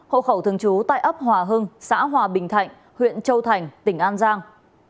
hộ khẩu thường trú tại ấp hòa hưng xã hòa bình thạnh huyện châu thành tỉnh an giang